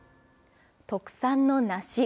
特産の梨。